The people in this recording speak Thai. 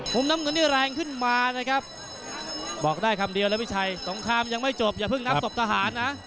มุมน้ำเงินนี่แรงขึ้นมานะครับบอกได้คำเดียวแล้วพี่ชัยสงครามยังไม่จบอย่าเพิ่งนับศพทหารนะ